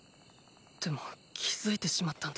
でも気付いてしまったんだ。